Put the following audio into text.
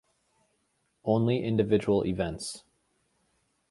Only individual events.